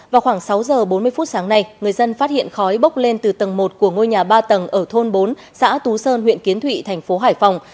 vào khoảng sáu giờ bốn mươi phút sáng nay người dân phát hiện khói bốc lên từ tầng một của ngôi nhà ba tầng ở thôn bốn xã tú sơn huyện kiến thụy thành phố hải phòng